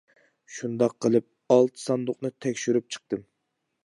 شۇنداق قىلىپ ئالتە ساندۇقنى تەكشۈرۈپ چىقتىم.